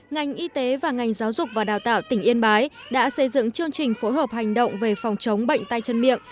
ngành y tế và ngành giáo dục và đào tạo tỉnh yên bái đã xây dựng chương trình phối hợp hành động về phòng chống bệnh tay chân miệng